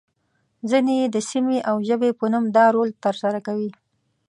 ځینې يې د سیمې او ژبې په نوم دا رول ترسره کوي.